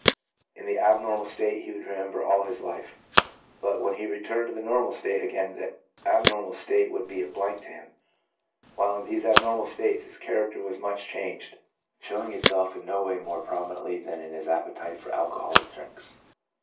in the abnormal state he w T ould remember all his life; but when he returned to the normal state again the abnormal state would be a blank to him. While in these abnormal states his character was much changed, showing itself in no way more prominently than in his appetite for alcoholic drinks.